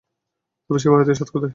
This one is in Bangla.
তবে সেই ভারতীয় স্বাদ কোথায়?